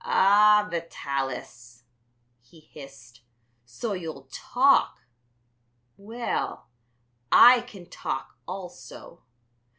"Ah, Vitalis," he hissed, "so you'll talk? Well, I can talk also.